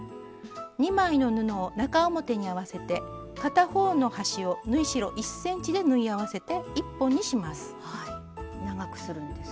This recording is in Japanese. ２枚の布を中表に合わせて片方の端を縫い代１ｃｍで縫い合わせて１本にします。